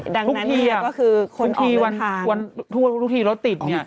ดังนั้นทุกทีอ่ะก็คือคนออกมาทานทุกทีวันวันทุกทีรถติดเนี่ย